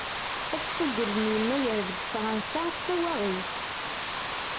Asfugel n yennayer deg faransa d tawaɣit.